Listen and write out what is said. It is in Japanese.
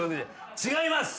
違います！